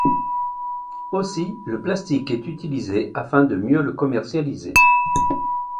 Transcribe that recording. Aussi, le plastique est utilisé afin de mieux le commercialiser.